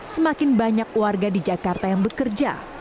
semakin banyak warga di jakarta yang bekerja